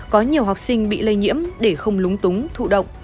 có nhiều học sinh bị lây nhiễm để không lúng túng thụ động